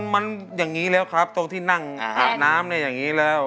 มันอย่างนี้แล้วครับตรงที่นั่งอาบน้ำเนี่ยอย่างนี้แล้ว